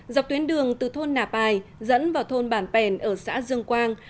dọc tuyến đường từ thôn nà pài dẫn vào thôn bản pèn ở xã dương quang